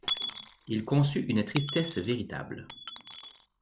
Il conçut une tristesse véritable.